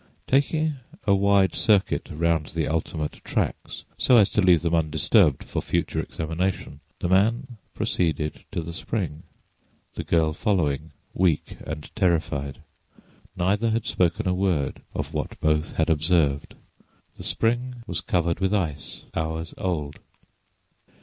Taking a wide circuit round the ultimate tracks, so as to leave them undisturbed for further examination, the man proceeded to the spring, the girl following, weak and terrified. Neither had spoken a word of what both had observed. The spring was covered with ice, hours old.